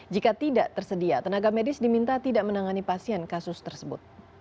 jika tidak tersedia tenaga medis diminta tidak menangani pasien kasus tersebut